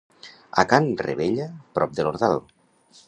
A Can Revella, prop d'Ordal!